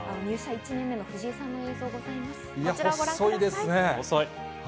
１年目の藤井さんの映像がございます。